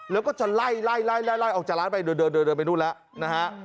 แล้วก็จะไล่ไล่ไล่ไล่ออกจากร้านไปเดินไปนู่นแล้ว